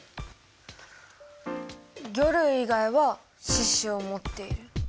魚類以外は四肢をもっている。